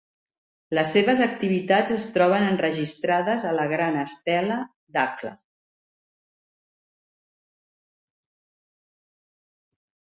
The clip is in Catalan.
Les seves activitats es troben enregistrades a la Gran Estela Dakhla.